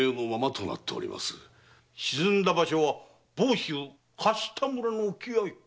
沈んだ場所は房州勝田村の沖合か。